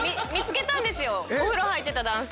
お風呂入ってた男性。